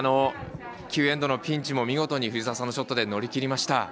９エンドのピンチも見事に藤澤選手のショットで乗り切りました。